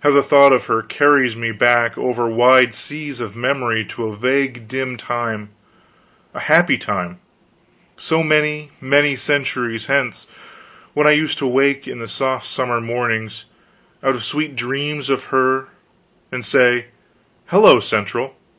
How the thought of her carries me back over wide seas of memory to a vague dim time, a happy time, so many, many centuries hence, when I used to wake in the soft summer mornings, out of sweet dreams of her, and say "Hello, Central!"